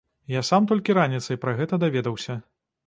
Я сам толькі раніцай пра гэта даведаўся.